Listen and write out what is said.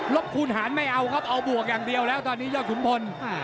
คูณหารไม่เอาครับเอาบวกอย่างเดียวแล้วตอนนี้ยอดขุนพล